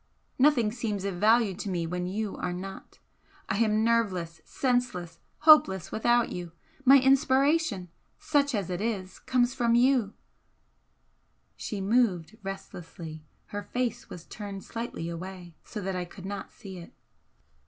Nothing seems of value to me where you are not I am nerveless, senseless, hopeless without you. My inspiration such as it is comes from you " She moved restlessly her face was turned slightly away so that I could not see it.